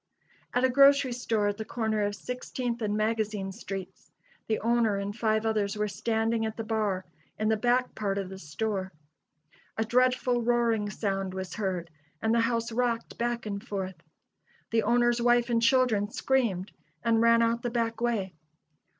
At a grocery store at the corner of Sixteenth and Magazine streets the owner and five others were standing at the bar in the back part of the store. A dreadful roaring sound was heard, and the house rocked back and forth. The owner's wife and children screamed and ran out the back way.